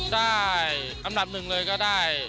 ได้อันดับหนึ่งเลยก็ได้